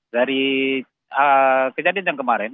dari kejadian yang kemarin